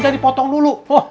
jangan dipotong dulu